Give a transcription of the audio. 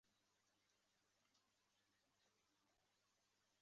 软体动物与部分的节肢动物以血蓝蛋白来输送氧气。